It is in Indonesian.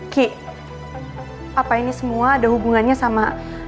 ki apa ini semua ada hubungannya sama